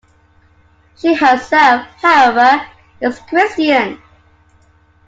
She herself, however, is Christian.